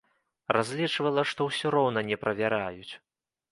Разлічвала, што ўсё роўна не правяраюць.